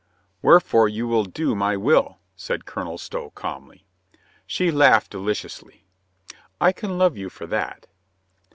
"Wherefore you will do my will," said Colonel Stow calmly. She laughed deliciously. "I can love you for that."